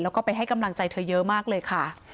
แล้วก็ไปให้กำลังใจเธอเยอะมากเลยค่ะ